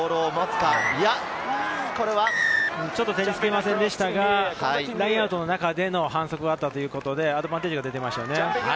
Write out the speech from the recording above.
ちょっと手につきませんでしたが、ラインアウトの中での反則があったということで、アドバンテージが出ていましたね。